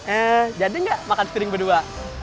eh jadi nggak makan piring berdua